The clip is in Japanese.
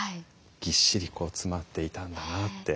ぎっしりこう詰まっていたんだなって。